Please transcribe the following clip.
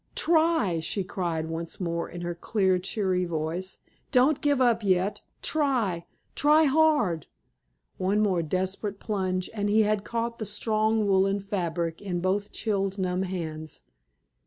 "Try!" she cried once more in her clear, cheery voice. "Don't give up yet. Try try hard!" One more desperate plunge and he had caught the strong woolen fabric in both chilled, numb hands.